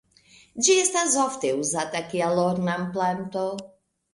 Ĝi estas ofte uzata kiel ornamplanto.